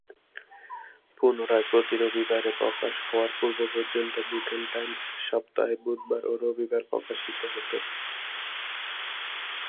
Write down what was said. পুনরায় প্রতি রবিবারে প্রকাশ হওয়ার পূর্ব পর্যন্ত ভুটান টাইমস সপ্তাহে বুধবার ও রবিবার প্রকাশিত হতো।